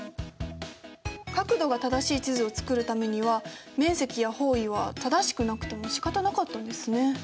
角度が正しい地図を作るためには面積や方位は正しくなくてもしかたなかったんですね。